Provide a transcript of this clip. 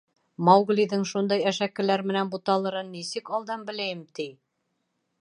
Мауглиҙың шундай әшәкеләр менән буталырын нисек алдан беләйем, ти?